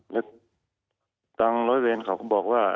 แล้วทางร้อยเวรเขาก็บอกว่า